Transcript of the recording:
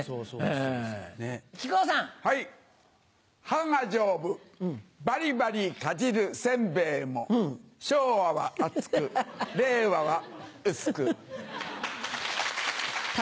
歯が丈夫バリバリかじるせんべいも昭和は厚く令和は薄く。